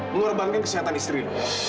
mengorbankan kesehatan istri lo